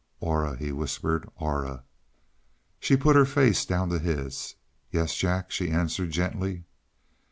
"Aura," he whispered. "Aura." She put her face down to his. "Yes, Jack," she answered gently.